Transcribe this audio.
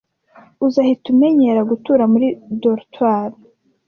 Uzahita umenyera gutura muri dortoir.